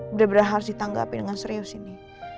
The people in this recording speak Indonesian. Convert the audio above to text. bener bener harus ditanggapi dengan serius ini